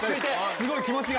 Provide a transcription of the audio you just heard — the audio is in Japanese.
すごい気持ちが。